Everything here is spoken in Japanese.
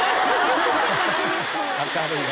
明るいな。